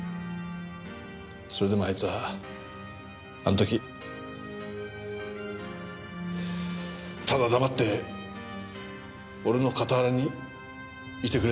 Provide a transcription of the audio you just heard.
それでもあいつはあの時ただ黙って俺の傍らにいてくれたんだ。